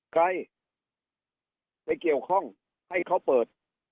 ใครไปเกี่ยวข้องให้เขาเปิด